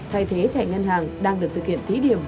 thay thế thẻ ngân hàng đang được thực hiện thí điểm